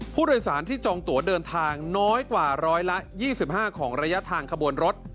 ผู้โดยสารที่จองตัวเดินทางน้อยกว่าร้อยละ๒๕ของระยะทางขบวนรถ